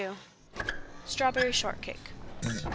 =Strawberry Shortcake.